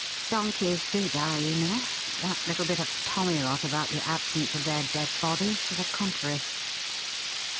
"Donkeys do die, you know that little bit of tommyrot about the absence of their dead bodies to the contrary."